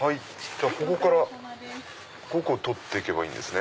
ここから５個取ってけばいいんですね。